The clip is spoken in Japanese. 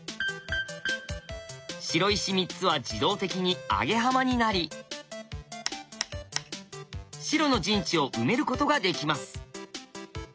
白石３つは自動的にアゲハマになり白の陣地を埋めることができます。